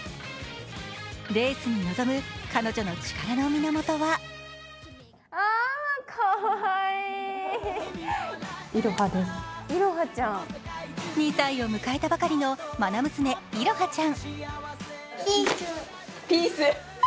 レースに臨む彼女の力の源は２歳を迎えたばかりのまな娘・彩葉ちゃん。